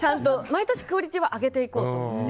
毎年クオリティーは上げていこうと思って。